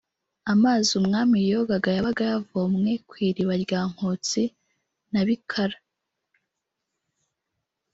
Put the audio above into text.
Amazi umwami yogaga yabaga yavomwe ku “Iriba rya Nkotsi na Bikara”